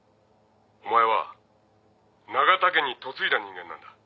お前は永田家に嫁いだ人間なんだ。